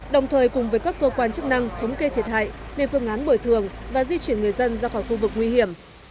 đồng án bồi thường và di chuyển người dân ra khỏi khu vực nguy hiểm